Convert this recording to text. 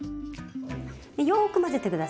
よく混ぜて下さい。